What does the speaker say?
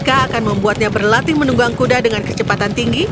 mereka akan membuatnya berlatih menunggang kuda dengan kecepatan tinggi